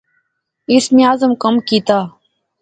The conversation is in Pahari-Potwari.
اسم اعظم کم کیتیا